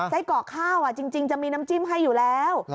เกาะข้าวจริงจะมีน้ำจิ้มให้อยู่แล้ว